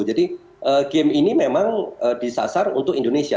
jadi game ini memang disasar untuk indonesia